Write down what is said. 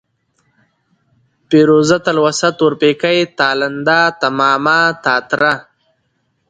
پېروزه ، تلوسه ، تورپيکۍ ، تالنده ، تمامه ، تاتره ،